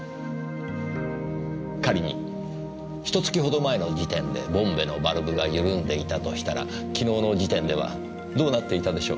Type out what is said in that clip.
仮にひと月ほど前の時点でボンベのバルブが緩んでいたとしたら昨日の時点ではどうなっていたでしょう？